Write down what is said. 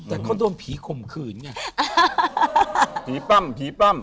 เหง่าผีปั้่ม